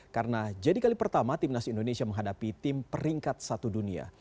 karena jadi kali pertama tim nasi indonesia menghadapi tim peringkat satu dunia